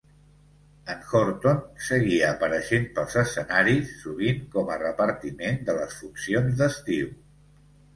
En Horton seguia apareixent pels escenaris, sovint com a repartiment de les funcions d'estiu.